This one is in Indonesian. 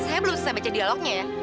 saya belum bisa baca dialognya ya